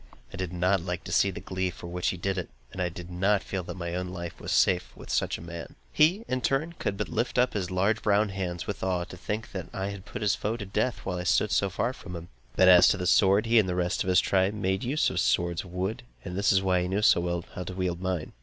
I did not like to see the glee with which he did it, and I did not feel that my own life was quite safe with such a man. He, in his turn, could but lift up his large brown hands with awe, to think that I had put his foe to death, while I stood so far from him. But as to the sword, he and the rest of his tribe made use of swords of wood, and this was why he knew so well how to wield mine.